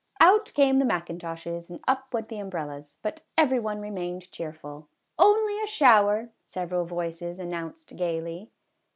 Out came the mackintoshes and up went umbrellas, but every one remained cheerful. "Only a shower," several voices announced gaily.